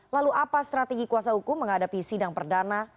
lalu apa strategi kuasa hukum menghadapi sidang perdana